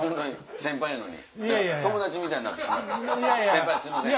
先輩すいません。